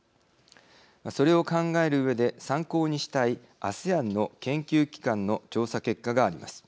それを考えるうえで参考にしたいアセアンの研究機関の調査結果があります。